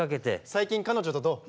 最近彼女とどう？